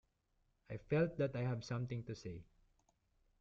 I felt that I have something to say.